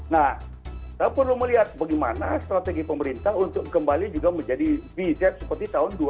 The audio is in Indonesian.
nah kita perlu melihat bagaimana strategi pemerintah untuk kembali juga menjadi vz seperti tahun dua ribu dua puluh